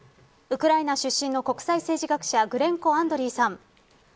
ウクライナ出身の国際政治学者グレンコ・アンドリーさん